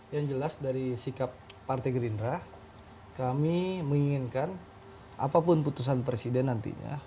yang jelas dari sikap partai gerindra kami menginginkan apapun putusan presiden nantinya